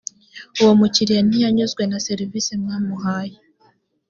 uwo mukiriya ntiyanyuzwe na serivisi mwamuhaye